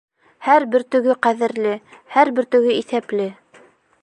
Һәр бөртөгө ҡәҙерле, һәр бөртөгө иҫәпле.